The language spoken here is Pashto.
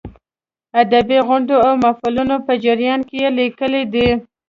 ادبي غونډو او محفلونو په جریان کې یې لیکلې دي.